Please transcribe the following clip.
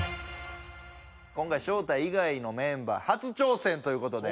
今回ショウタ以外のメンバー初挑戦ということで。